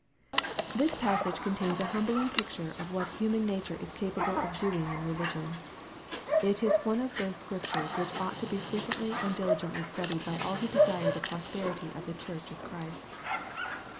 THIS passage contains a humbling picture of what human nature is capable of doing in religion. It is one of those Scriptures which ought to be frequently and diligently studied by all who desire the prosperity of the Church of Christ.